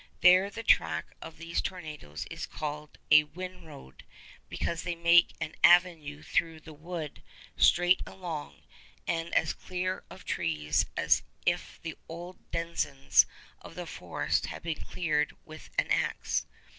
There the track of these tornadoes is called a "wind road," because they make an avenue through the wood straight along, and as clear of trees as if the old denizens of the forest had been cleared with an axe.